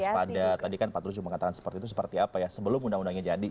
waspada tadi kan pak tulus juga mengatakan seperti itu seperti apa ya sebelum undang undangnya jadi